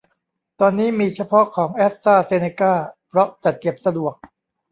ตอนนี้มีเฉพาะของแอสตาเซเนก้า เพราะจัดเก็บสะดวก